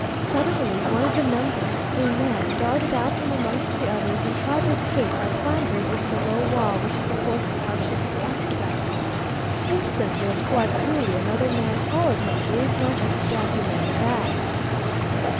Suddenly, one of the number, a man, darted out from amongst the others, and tried to escape by clambering over the low wall which supports the arches of the aqueduct. Instantly, and quite coolly, another man followed him, drew his knife, and stabbed him in the back.